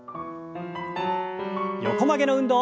横曲げの運動。